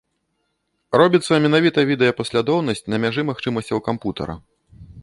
Робіцца менавіта відэапаслядоўнасць на мяжы магчымасцяў кампутара.